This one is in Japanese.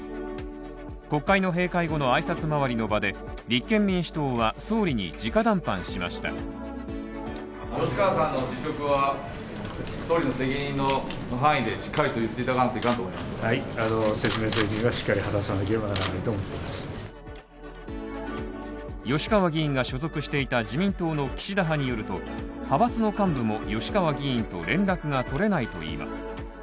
国会の閉会後の挨拶回りの場で、立憲民主党は総理に直談判しました吉川議員が所属していた自民党の岸田派によると、派閥の幹部も吉川議員と連絡が取れないといいます。